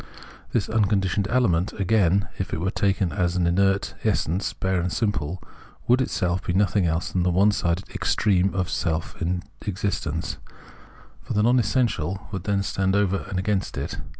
This unconditioned element, again, if it were taken as inert essence bare and simple, would itself be nothing else than the one sided extreme of self existence (Fiirsich seyn) ; for the non essential would then stand over against it.